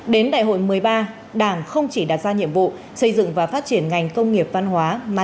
đến đại hội một mươi ba đảng không chỉ đạt ra nhiệm vụ xây dựng và phát triển các ngành công nghiệp văn hóa việt nam